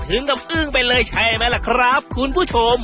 ถึงกับอึ้งไปเลยใช่ไหมล่ะครับคุณผู้ชม